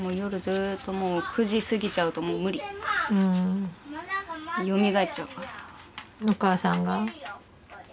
ずーっともう９時すぎちゃうともう無理うんよみがえっちゃうからお母さんが？